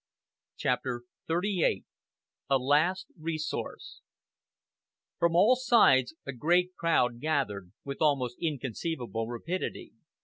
CHAPTER XXXVIII A LAST RESOURCE From all sides a great crowd gathered, with almost inconceivable rapidity.